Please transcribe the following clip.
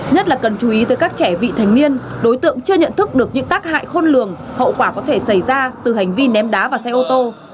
nhất là cần chú ý tới các trẻ vị thành niên đối tượng chưa nhận thức được những tác hại khôn lường hậu quả có thể xảy ra từ hành vi ném đá vào xe ô tô